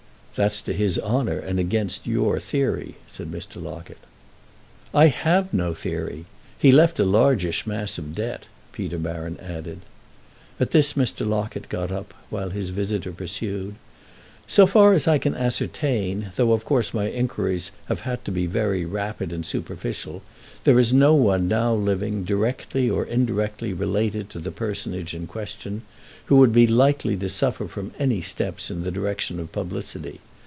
"That's to his honour and against your theory," said Mr. Locket. "I have no theory. He left a largeish mass of debt," Peter Baron added. At this Mr. Locket got up, while his visitor pursued: "So far as I can ascertain, though of course my inquiries have had to be very rapid and superficial, there is no one now living, directly or indirectly related to the personage in question, who would be likely to suffer from any steps in the direction of publicity.